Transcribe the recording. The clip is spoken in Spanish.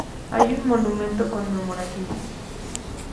Hay un monumento conmemorativo.